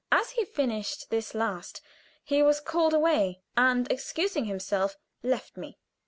As he finished this last he was called away, and excusing himself, left me.